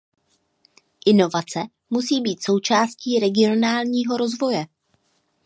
Inovace musí být součástí regionálního rozvoje.